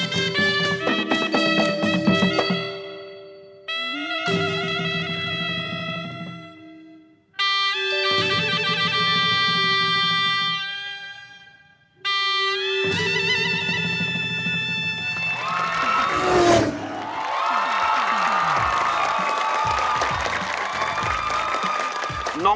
ทุกคนสวัสดีครับ